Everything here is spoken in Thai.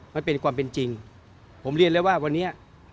มันเป็นความเป็นจริงผมเรียนแล้วว่าวันนี้